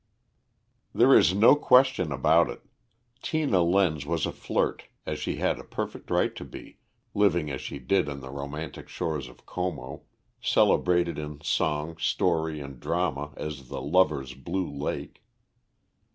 There is no question about it, Tina Lenz was a flirt, as she had a perfect right to be, living as she did on the romantic shores of Como, celebrated in song, story, and drama as the lover's blue lake.